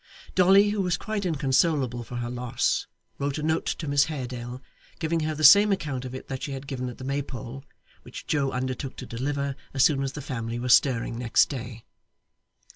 Dolly, who was quite inconsolable for her loss, wrote a note to Miss Haredale giving her the same account of it that she had given at the Maypole, which Joe undertook to deliver as soon as the family were stirring next day.